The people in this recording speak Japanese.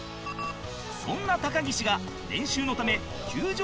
そんな高岸が練習のため球場に到着